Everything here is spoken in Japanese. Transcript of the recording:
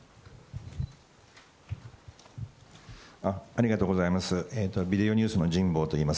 ありがとうございます。